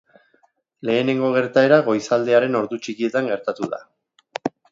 Lehenengo gertaera goizaldearen ordu txikietan gertatu da.